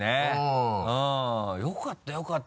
よかったよかった！